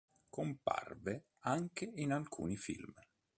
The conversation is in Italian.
Comparve anche in alcuni film.